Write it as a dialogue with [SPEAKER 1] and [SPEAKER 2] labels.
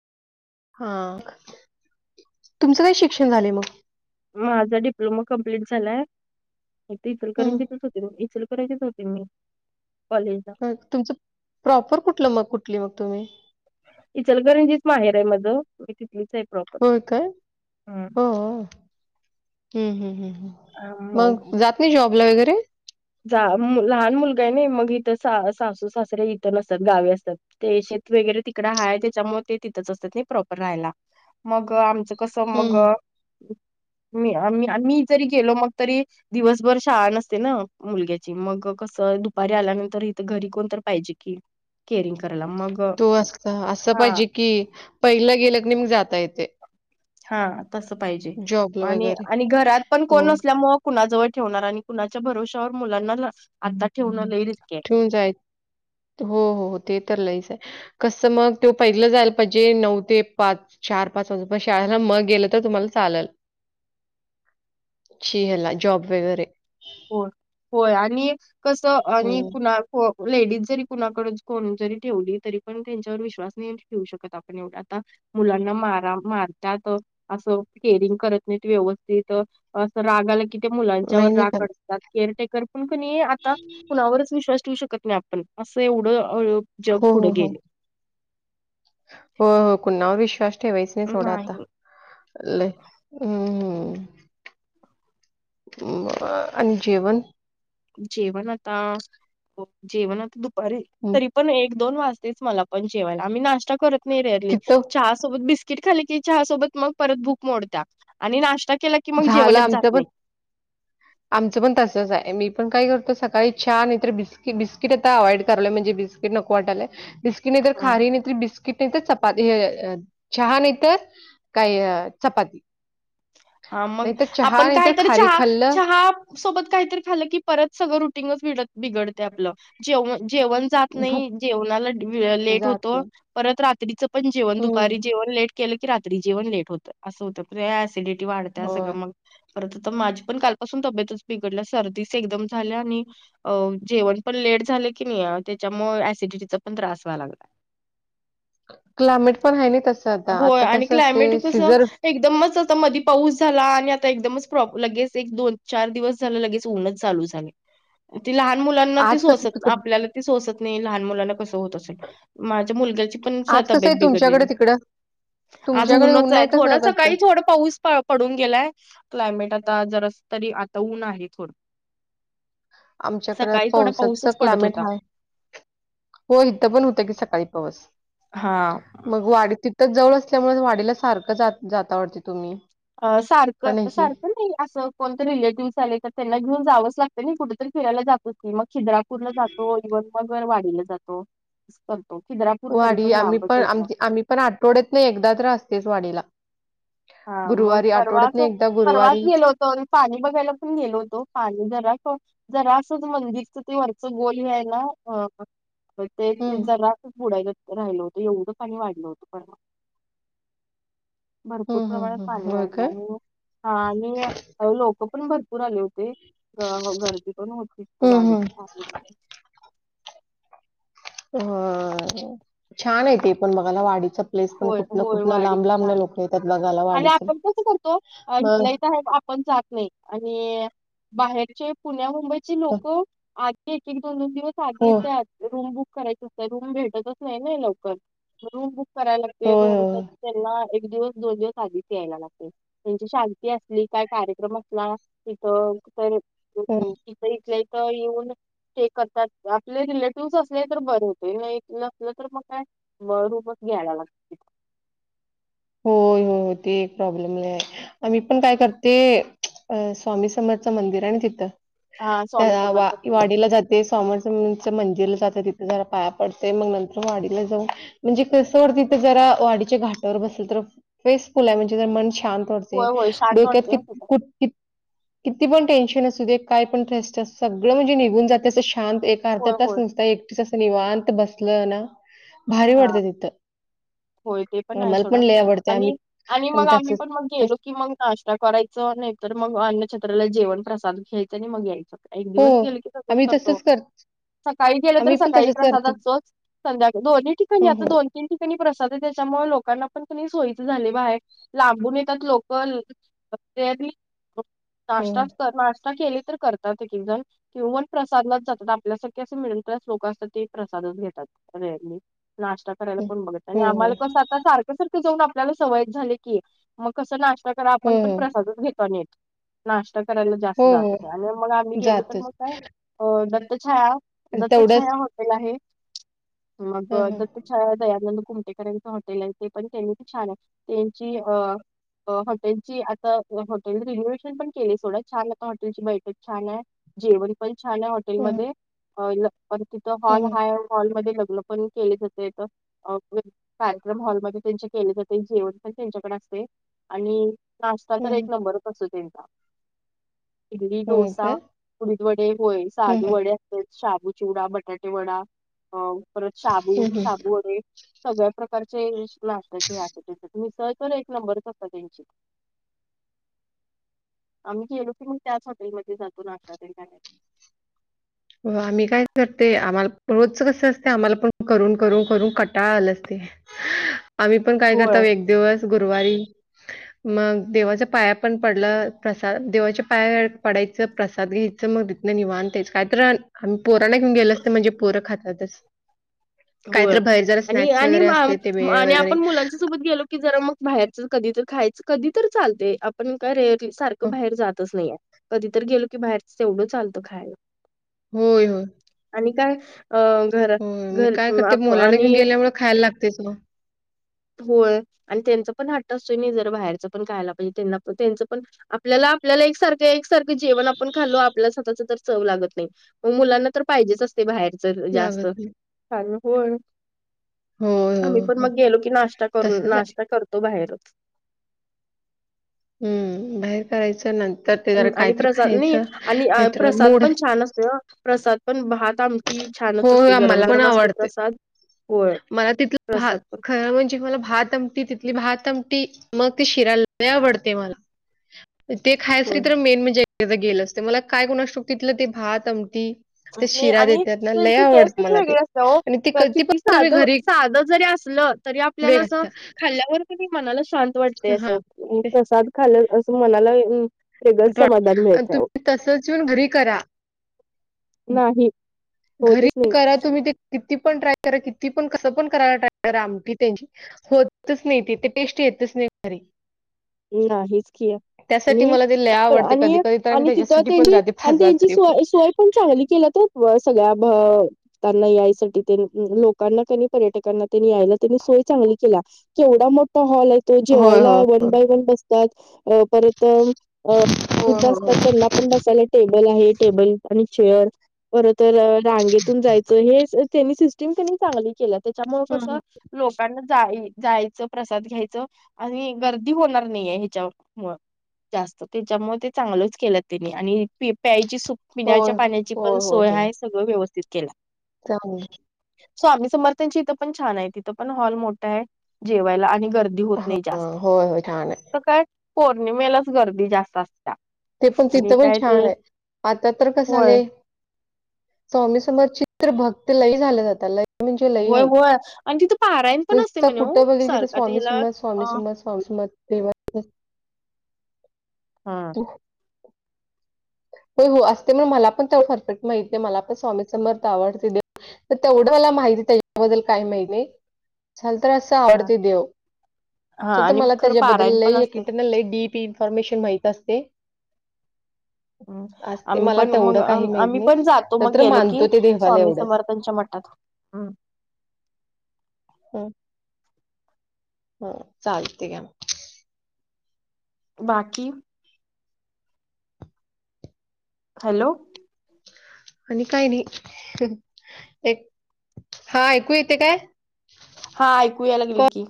[SPEAKER 1] हा, तुमचं काय शिक्षण झालंय मग?
[SPEAKER 2] माझा डिप्लोमा कंप्लीट झालाय, इथ
[SPEAKER 1] हं.
[SPEAKER 2] इचलकरंजीतच होते मी इचल इचलकरंजीत होते मी, कॉलेजला.
[SPEAKER 1] तुमचं, प्रॉपर कुठलं मग कुठली मग तुम्ही?
[SPEAKER 2] इचलकरंजीच माहेर आहे माझं मी तिथलीच आहे प्रॉपर.
[SPEAKER 1] होय काय,
[SPEAKER 2] हम्म.
[SPEAKER 1] हो, हम्म हम् हम्. मग जात नाही जॉबला वगैरे.
[SPEAKER 2] जा लहान मुलगा आहे नाही मग इथं सासू सासरे इथ नसतात गावी असतात. ते शेत वगैरे तिकडं हाय त्याच्यामुळे ते तिथंच असतं ते प्रॉपर राहायला, मग आमचं कसं मग
[SPEAKER 1] हं.
[SPEAKER 2] मी आमी आमी जरी गेलो मग तरी दिवसभर शाळा नसते ना. मुलग्याची मग कसं दुपारी आल्यानंतर इथ घरी कोण तर पाहिजे की. केरींग करायला मग, हा.
[SPEAKER 1] कि, पहिला गेलं कनाही मग जाता येतय.
[SPEAKER 2] हा तस पाहिजे,
[SPEAKER 1] जॉबला
[SPEAKER 2] आणि
[SPEAKER 1] वगैरे.
[SPEAKER 2] आणि घरात पण
[SPEAKER 1] हो.
[SPEAKER 2] कोण नसल्यामुळ कुणाजवळ ठेवणार आणि कुणाच्या भरोवश्यावर मुलांना आता ठेवण लई रिस्की हाय.
[SPEAKER 1] [unintelligible] हो हो ते तर लईच आहे. कसं मग त्यो पहिलं जायला पाहिजे नऊ ते पाच. चार पाच वाजू [unintelligible] शाळेला मग गेलं तर तुम्हाला चालेल.
[SPEAKER 2] [inaudible]
[SPEAKER 1] शी ह्यला जॉब वगैरे.
[SPEAKER 2] होय, होय आणि कसं आणि
[SPEAKER 1] हं.
[SPEAKER 2] कुणा हो लेडीज जरी कुणाकड कोण जरी ठेवली तरी आपण त्यांच्यावर विश्वास नाही ठेवू शकत आपण एवढा आता. मुलांना मारा मारतात. असं केरिंग करत नाही व्यवस्थित असं रागाला कि मुलाच्या
[SPEAKER 1] नाही,
[SPEAKER 2] वर
[SPEAKER 1] नाही
[SPEAKER 2] राग
[SPEAKER 1] करत.
[SPEAKER 2] काढतात केअरटेकर पण कणी आता कुणावरच विश्वास ठेवू शकत नाही आपण असं एवढं जग
[SPEAKER 1] हो, हो,
[SPEAKER 2] पुढं
[SPEAKER 1] हो.
[SPEAKER 2] गेलय.
[SPEAKER 1] हो कुनावर विश्वास ठेवायच नाही सोडा आता. लय, हम्म. आणि जेवन.
[SPEAKER 2] जेवण आता, जेवण आता दुपारी.
[SPEAKER 1] मग
[SPEAKER 2] तरी पण एक दोन वाजतेच मला पण जेवायला. आम्ही नाश्ता करत नाही रेअरली.
[SPEAKER 1] तिथं
[SPEAKER 2] चहासोबत बिस किट खाली की, चहा सोबत मग परत भुक मोडत्या आपली आणि नाश्ता केला की, मग
[SPEAKER 1] झालं
[SPEAKER 2] जेवणच
[SPEAKER 1] आमचं
[SPEAKER 2] जात
[SPEAKER 1] पण
[SPEAKER 2] नाही. [inaudible]
[SPEAKER 1] आमचं पण तसंच आहे मी पण काय करतो सकाळी चहा नाहीतर बिस्कट बिस्किट आता अवॉइड करलंय म्हणजे बिस् नको वाटालय, बिस्कि नाय तर खारी नाही तर बिस्की किती ते चपाती चहा नाही तर काय चपाती.
[SPEAKER 2] हा मग
[SPEAKER 1] नाहीतर चहा
[SPEAKER 2] आपण
[SPEAKER 1] नाहीतर
[SPEAKER 2] काय तररी
[SPEAKER 1] खारी
[SPEAKER 2] चहा
[SPEAKER 1] खाल्लं
[SPEAKER 2] चहा सोबत काहीतरी खालं की, परत सगळं रुटिंगच बिडत बिघडतय आपलं. जेव जेवण जात
[SPEAKER 1] भूक
[SPEAKER 2] नाही. जेवणाला ड वे लेट
[SPEAKER 1] जात
[SPEAKER 2] होतो.
[SPEAKER 1] नाही.
[SPEAKER 2] परत रात्रीचं पण जेवण,
[SPEAKER 1] हं,
[SPEAKER 2] दुपारी जेवण लेट केलं की, रात्री जेवण लेट होतं. असं होतं. ॲसिडिटी वाढत सगळं
[SPEAKER 1] होय.
[SPEAKER 2] मग परत तर माझी पण कालपासून तब्येतच बिघडल्या. सर्दीच एकदम झाल्या आणि अ जेवण पण लेट झाले की नाही, त्याच्यामुळे ऍसिडिटीचा पण त्रास व्हा लागलाय.
[SPEAKER 1] क्लायमेट पण हाय न तसं. आता.
[SPEAKER 2] होय.
[SPEAKER 1] आता
[SPEAKER 2] आणि
[SPEAKER 1] कसं
[SPEAKER 2] क्लायमेट
[SPEAKER 1] असते
[SPEAKER 2] तसं,
[SPEAKER 1] सीझर
[SPEAKER 2] एकदमच आता मधी पाऊस झाला आणि आता एकदमच प्रॉप लगेच एक, दोन -चार दिवस झालं, लगेच ऊनच चालू झाले. ती लहान मुलांना ती
[SPEAKER 1] आज कसं
[SPEAKER 2] सोसत,
[SPEAKER 1] तिकड
[SPEAKER 2] आपल्याला ती सोसत नाही. लहान मुलांना कसं होत असेल? माझ्या मुलग्याची पण स
[SPEAKER 1] आज कसं आहे
[SPEAKER 2] तब्येत
[SPEAKER 1] तुमच्याकडे
[SPEAKER 2] बिघडलेली.
[SPEAKER 1] तिकडं?
[SPEAKER 2] आज
[SPEAKER 1] तुमच्याकडे ऊन
[SPEAKER 2] ऊनचय.
[SPEAKER 1] नाही कसं
[SPEAKER 2] थोडं
[SPEAKER 1] कसलं?
[SPEAKER 2] सकाळी, थोडं पाऊस प पडून गेलाय. क्लायमेट आता जरा तरी, आता ऊन आहे थोडं. [inaudible]
[SPEAKER 1] आमच्याकड,
[SPEAKER 2] सकाळी थोडा
[SPEAKER 1] पावसाचं
[SPEAKER 2] पाऊसच पडत
[SPEAKER 1] क्लायमेट
[SPEAKER 2] होता
[SPEAKER 1] हाय. हो, इथं पण होतं की, सकाळी पाऊस.
[SPEAKER 2] हा.
[SPEAKER 1] मग वाडी, तिथंच जवळ असल्यामुळे, वाडीला सारखं जाता वाटतं तुम्ही.
[SPEAKER 2] अ
[SPEAKER 1] का
[SPEAKER 2] सारखं,
[SPEAKER 1] नाही?
[SPEAKER 2] सारखं नाही असं कोणते रिलेटिव्हस आले तर, त्यांना घेऊ जावच लागत ना. कुठेतरी फिरायला जातोच की, मग खिद्रापूरला जात तो [unintelligible] वगर वाडीला जातो, करतो. खिद्रा
[SPEAKER 1] वाडी, आम्ही पण आम आम्ही पण, आठवड्यातन एकदा तर असतयच वाडीला.
[SPEAKER 2] हा मग
[SPEAKER 1] गुरुवारी
[SPEAKER 2] परवा
[SPEAKER 1] आठवड्यातनं
[SPEAKER 2] असच,
[SPEAKER 1] एकदा
[SPEAKER 2] परवाच
[SPEAKER 1] गुरुवारी
[SPEAKER 2] गेलो होत तर पाणी बघायला पण गेलो होतो. पाणी जरा जरा असंच, मंदिरचं ते वरचं गोलय ही हाय ना, अ पण ते
[SPEAKER 1] हम्म.
[SPEAKER 2] जरासच बुडायला राहिलं होतं, एवढं पाणी वाढलं होतं परवा. भरपूर
[SPEAKER 1] हम्म
[SPEAKER 2] प्रमाणात
[SPEAKER 1] हम्म हम्म
[SPEAKER 2] पाणी
[SPEAKER 1] होय काय?
[SPEAKER 2] वाढलं. आणि ह आणि लोक पण भरपूर आले होते. ते गर्दी पण होती तिथं,
[SPEAKER 1] हम्म
[SPEAKER 2] वाडीत.
[SPEAKER 1] हम्म. ह, छानय ते पण बघायला, वाडीच. प्लेस पण
[SPEAKER 2] होय
[SPEAKER 1] कुठ -
[SPEAKER 2] होय
[SPEAKER 1] कुठन,
[SPEAKER 2] वाढीत
[SPEAKER 1] लांब- लांबन
[SPEAKER 2] छान
[SPEAKER 1] लोकं येतात, बघायला
[SPEAKER 2] आणि
[SPEAKER 1] वाडीच.
[SPEAKER 2] आपण
[SPEAKER 1] मग.
[SPEAKER 2] पण जात नाही. आणि बाहेरचे पुण्या- मुंबईचे लोकं, आज एक- एक, दोन- दोन दिवस आधी
[SPEAKER 1] हो
[SPEAKER 2] येत्यात. रूम बुक करायच असत, रूम भेटतच नाही ना, लवकर. रूम बुक करायला लागते
[SPEAKER 1] होय
[SPEAKER 2] रुम. तर त्यांना एक दिवस, दोन दिवस आधीच यायला लागते. त्यांची शांती असली, काय कार्यक्रम असला, तिथं. तर
[SPEAKER 1] होय.
[SPEAKER 2] [unintelligible] इथं इथल्या इथं येऊन. स्टे करतात. आपले रिलेटिव्हज असले तर बरे होते. नाही नसलं तर मग काय म रूपच घ्यायला लागते.
[SPEAKER 1] होय, होय. ते प्रॉब्लेम लय हाय. आम्ही पण काय करते, [unintelligible] अ स्वामी समरचं मंदिर आहे ना, तिथं.
[SPEAKER 2] हा स्वामी
[SPEAKER 1] त्या वा
[SPEAKER 2] समर्थ
[SPEAKER 1] वाडीला जात ते [unintelligible] मंदीरला जात तिथे जरा पाया पडते. मग नंतर वाडीला जाऊन म्हणजे कस सोड. तिथं जरा, वाडीच्या घाटावर बस तर फेसफुल आहे. म्हणजे जरा मन शांत वाटतय.
[SPEAKER 2] होय होय शांत
[SPEAKER 1] डोक्यात
[SPEAKER 2] वाटते ना
[SPEAKER 1] कित,
[SPEAKER 2] तिथं
[SPEAKER 1] कुट, कित किती पण टेन्शन असू दे, काय पण ट्रेस्ट सगळं म्हणजे निघून जाते. असं शांत एक
[SPEAKER 2] होय
[SPEAKER 1] [unintelligible]
[SPEAKER 2] होय
[SPEAKER 1] नसता एकटीच असं निवांत बसलं ना, भारी
[SPEAKER 2] हा
[SPEAKER 1] पडते तिथं.
[SPEAKER 2] होय ते पण आहे
[SPEAKER 1] आम्हाला
[SPEAKER 2] सोडा
[SPEAKER 1] लय आवडते. आम्ही
[SPEAKER 2] आणि आणि मग आम्ही
[SPEAKER 1] तसंच
[SPEAKER 2] पण मग
[SPEAKER 1] तसं
[SPEAKER 2] गेलो की मग नाश्ता करायचं. नाही तर मग, अन्नछत्राला जेवण- प्रसाद घ्यायच, आणि मग याय एक
[SPEAKER 1] हो,
[SPEAKER 2] दिवस गेले की तच
[SPEAKER 1] आम्ही
[SPEAKER 2] करतो
[SPEAKER 1] तसंच कर
[SPEAKER 2] सकाळी गेलं तर
[SPEAKER 1] आम्ही पण
[SPEAKER 2] सकाळी
[SPEAKER 1] तसंच करते.
[SPEAKER 2] प्रसादाच संध्याकाळी दोन्ही ठिकाणी
[SPEAKER 1] हं,
[SPEAKER 2] आता
[SPEAKER 1] हं.
[SPEAKER 2] दोन तीन ठिकाणी प्रसा त्याच्यामुळे लोकांना पण कुणी सोयी झाले बाहे लांबून येतात लोक ते नाश्ताच
[SPEAKER 1] हं,
[SPEAKER 2] नाश्ता केली तर करतात की जण किंवान प्रसादच जातात आपल्यासारखे असे मिळस लोक असतात ते प्रसादच घेतात रेअरली नाशत ब
[SPEAKER 1] हं. हं,
[SPEAKER 2] आ्हा
[SPEAKER 1] हं.
[SPEAKER 2] क सार सारंऊन आपल्याला सवय झाले की मग कस आपण
[SPEAKER 1] हं,
[SPEAKER 2] पण
[SPEAKER 1] हं.
[SPEAKER 2] प्रसादच घेतो नेट नाश्ता करायला
[SPEAKER 1] हो,
[SPEAKER 2] जास्त जात होते
[SPEAKER 1] हो.
[SPEAKER 2] आणि मग आम्ही गेलो तर मग
[SPEAKER 1] जातच
[SPEAKER 2] काय दत्तछाया
[SPEAKER 1] आणि तेवढंच
[SPEAKER 2] दत्तछाया हॉटेल आहे मग
[SPEAKER 1] हं, हं.
[SPEAKER 2] दत्तछाया दयानंद कुमटेकरांच हॉटेल आहे ते पण त्यां छान आहे त्यांची अ हॉटेलची आता हॉटेल रिनोववेहेशन पण केली सोडं छान आता हॉटेलची बैठक छान आहे जेवण पण छान आहे वाट
[SPEAKER 1] हं,
[SPEAKER 2] हॉटेलमध्येध्ये तिथं
[SPEAKER 1] हं,
[SPEAKER 2] हॉल
[SPEAKER 1] हं.
[SPEAKER 2] आहेा हॉलमध्येध्ये लग्न पण केले जाते अ, कार्यक्रम हॉलमध्येध्ये त्यांचे केले जाते जेवण पण त्यांच्याकडे असते आणि नाश्ता तर
[SPEAKER 1] हं,
[SPEAKER 2] एक
[SPEAKER 1] हं.
[SPEAKER 2] नंबरच असो त्यांचा इडली
[SPEAKER 1] हो का?
[SPEAKER 2] डोसा उडीद वडे होय
[SPEAKER 1] हं,
[SPEAKER 2] साग
[SPEAKER 1] हं.
[SPEAKER 2] वडे शबू चिवडा बटाटे वडा अ परत शाबू
[SPEAKER 1] हं, हं.
[SPEAKER 2] शाबू वडे सगळ्या प्रकारचे नाश्त्याचे आहे त्या तुम्ही सह तर एक नंबरच असता त्यांची आम्ही गेलो क मग त्याच हॉटेलमध्येध्ये जातो आशा दे
[SPEAKER 1] हो आम्ही काय करते आम्हाला प रोजच कस असते आम्हाला पण करून करून करून कटाळ आल असते आम्ही पण काय
[SPEAKER 2] होय.
[SPEAKER 1] करतो एक दिवस गुरुवारी
[SPEAKER 2] [inaudible]
[SPEAKER 1] मग देवाच पाया पण पडलं प्रसाद देवाच्या पाया पडायचं प्रसाद घ्यायच मग तिं वानच काय तर आम्ही पोराना घेऊन गेलो अस तर म्हणजे पोरं खातातच
[SPEAKER 2] होय.
[SPEAKER 1] काहीत बाहेर जरा
[SPEAKER 2] आणि
[SPEAKER 1] स्नॅक्स वगैरे असते ते वेळ वगैरे
[SPEAKER 2] ेलो की ज मग बाहेरच कधी खयचं कधी तर चालय आपण काय सारखं
[SPEAKER 1] हो
[SPEAKER 2] बाहेर जातच नाहीे कधीतर गेलो की बाहेरच तेवढं चालतं खायला
[SPEAKER 1] होय होय
[SPEAKER 2] आणि काय अ घर घरी
[SPEAKER 1] ते मुलां घेऊन गेल्यामुळे खायला लागतेच ना
[SPEAKER 2] होय आणि त्यांच पण हट्ट असतोय नाही जर बाहेरच पण खायला पाहिजे त्यांना पण त्यांचं पण आपल्याला आपल्याला एकसारखं एकसारखं जेवण आपण खालो आपल्याला स्वतःच तर चव लागत नाही मग मुलांना तर पाहिजेच असते बाहेरच जास्त
[SPEAKER 1] लागत नाही.
[SPEAKER 2] कार होण
[SPEAKER 1] होय,
[SPEAKER 2] आम्ही
[SPEAKER 1] होय,
[SPEAKER 2] पण
[SPEAKER 1] होय.
[SPEAKER 2] मग गेलो की नाश्ता कर
[SPEAKER 1] तसंच आहे.
[SPEAKER 2] नाश्ता करतो बाहेरच
[SPEAKER 1] हम्म बाहेर करायचं ना
[SPEAKER 2] हम् आणि प्रसाद नाही आणि
[SPEAKER 1] नाहीतर
[SPEAKER 2] प्रसाद
[SPEAKER 1] मूड
[SPEAKER 2] पण छान असतो प्रसाद पण भात आमट
[SPEAKER 1] हो,
[SPEAKER 2] छानच असते
[SPEAKER 1] हो.
[SPEAKER 2] गरम
[SPEAKER 1] मला पण
[SPEAKER 2] गरम असते
[SPEAKER 1] आवडते.
[SPEAKER 2] प्रसाद होय
[SPEAKER 1] मला तिथलं भात
[SPEAKER 2] प्रसाद पण
[SPEAKER 1] खरं म्हणजे मला भात ती तिथली भातमट मग ती शिरायला आवडते मला ते खायचं
[SPEAKER 2] होय.
[SPEAKER 1] तर मेन म्हणजे गेलं असते मला काय कोण असतोक तिथलं ते भात अमटी ते
[SPEAKER 2] आणि
[SPEAKER 1] शिरा
[SPEAKER 2] आणि
[SPEAKER 1] देतात ना लय
[SPEAKER 2] त्यांची
[SPEAKER 1] आवडत मला ते आणि ते कधी पण तुम्ही
[SPEAKER 2] साध
[SPEAKER 1] घरी
[SPEAKER 2] साध जरी असलं तरी आपल्याला
[SPEAKER 1] वेग
[SPEAKER 2] अस
[SPEAKER 1] असत्या.
[SPEAKER 2] खाल्ल्यावर पण मनाला शांत वाटत ते
[SPEAKER 1] हां.
[SPEAKER 2] असं
[SPEAKER 1] तेच
[SPEAKER 2] प्रसाद खाल असं मनाला वेगच समाधान मिळतं
[SPEAKER 1] तसच येऊन घरी करा
[SPEAKER 2] नाही
[SPEAKER 1] घरी
[SPEAKER 2] होतच नाही.
[SPEAKER 1] करा तुम्ही ते किती पण ट्राय करा किती पण कसं पण करायला ट्राय करा आम त्यांची होतच नाही तिे टेस्टी येतच नाही घरी.
[SPEAKER 2] ह हच की आहे.
[SPEAKER 1] त्यासाठी
[SPEAKER 2] आणि
[SPEAKER 1] मला ते लय आवडते.
[SPEAKER 2] आणि
[SPEAKER 1] कधी-कधी तर मी
[SPEAKER 2] आणि तिथ
[SPEAKER 1] त्याच्यासाठी पण
[SPEAKER 2] त्यांची
[SPEAKER 1] जाते
[SPEAKER 2] आणि
[SPEAKER 1] पण.
[SPEAKER 2] त्यांची सोय सोय पण चांगली केलं तर सगळ्या त्यांना यासाठी लोकांना पर्यटकांना त्यांनी यायला त्यांनी सोय चांगली केला क एवढा मोठा हॉल आहे तो
[SPEAKER 1] होय,
[SPEAKER 2] जेवायला
[SPEAKER 1] होय.
[SPEAKER 2] One by. ात
[SPEAKER 1] हो,
[SPEAKER 2] परुध
[SPEAKER 1] हो, हो.
[SPEAKER 2] असत त्यां. पण बसायला टेबल आहे टेबल आणि चेअर. बर तर डांगेतून जायचं हे त्यांनी सिस्टीम त्यांनी चांगली केल्या त्याच्यामु
[SPEAKER 1] हं,
[SPEAKER 2] कस.
[SPEAKER 1] हं.
[SPEAKER 2] लोकांना जाय जायचं प्रसाद घ्यायचं आणि गर्दी. की होणार नाही आहे ह्याच्या मु जास्त त्याच्यामुळे ते चांगलंच केलं त्यांनी आणि प्यायची सुूप.
[SPEAKER 1] होय.
[SPEAKER 2] पिण्याच्या पाण्याची पण
[SPEAKER 1] होय,
[SPEAKER 2] सोय ह सगळं व्यवस्थित केला,
[SPEAKER 1] च.
[SPEAKER 2] स्वामी समर्थांची इथं पण छान आहे तिथं पण हॉल मोठा आहे जेवायला आणि गर्दी होत नाही जास्त.
[SPEAKER 1] हां, होय होय थ ना.
[SPEAKER 2] काय पौर्णिमेलाच गर्दी जास्त असते.
[SPEAKER 1] ते पण तिथं पण छान आहे आता तर कसं
[SPEAKER 2] होय
[SPEAKER 1] आले. स्वामी समोर चित्र भक्तीलाही झालं जात ल म्हणजे लई
[SPEAKER 2] होय
[SPEAKER 1] आहेई
[SPEAKER 2] होय आणि तिथं पारायण पण असते
[SPEAKER 1] नुसर
[SPEAKER 2] म्हणे हो
[SPEAKER 1] कुठं बघेल तिथ
[SPEAKER 2] सारखं आता
[SPEAKER 1] स्वामी
[SPEAKER 2] हिला
[SPEAKER 1] सुमस
[SPEAKER 2] अ
[SPEAKER 1] स्वामी सुमस पासम दिव.
[SPEAKER 2] हा.
[SPEAKER 1] हो. हो हो असते मण मला पण ते परफेक्ट माहती आहे मला पण स्वामी समर्थ आवडते. तर तेवढं मला माहिती त्याच्याबद्दल काय माहिती ल तर असं
[SPEAKER 2] हा
[SPEAKER 1] आवडते देव. स तर
[SPEAKER 2] आणि
[SPEAKER 1] मला
[SPEAKER 2] खरं
[SPEAKER 1] त्याच्याबद्दल
[SPEAKER 2] पारायण
[SPEAKER 1] ल
[SPEAKER 2] पण असते
[SPEAKER 1] एक इंटरनल डीप इन्फॉर्मेशन माहित असते.
[SPEAKER 2] ह्
[SPEAKER 1] असते.
[SPEAKER 2] आम्ही
[SPEAKER 1] मला
[SPEAKER 2] पण मग
[SPEAKER 1] तेवढं काही माहीत
[SPEAKER 2] आम्ही
[SPEAKER 1] नाही.
[SPEAKER 2] पण जातो
[SPEAKER 1] तर
[SPEAKER 2] मग
[SPEAKER 1] तर
[SPEAKER 2] गेलो की
[SPEAKER 1] मानतो ते देवाला
[SPEAKER 2] स्वामी
[SPEAKER 1] एवढंच.
[SPEAKER 2] समर्थ. त्यांच्या मटात हम्म.
[SPEAKER 1] हो चालते घ
[SPEAKER 2] बाकी. हॅलो.
[SPEAKER 1] आणि काय नाही एक हा ऐकू येते काय?
[SPEAKER 2] हा एकू अलग लकी.